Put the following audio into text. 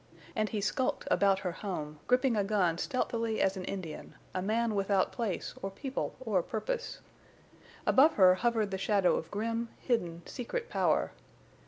And he skulked about her home, gripping a gun stealthily as an Indian, a man without place or people or purpose. Above her hovered the shadow of grim, hidden, secret power.